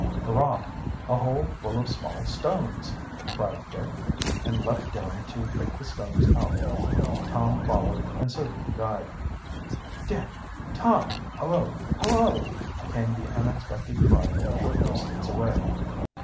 "Hurrah, a hole full of small stones!" cried Dick, and leaped down to pick the stones out. Tom followed, and so did the guide. "Dick! Tom! Hullo! hullo!" came the unexpected cry from a short distance away.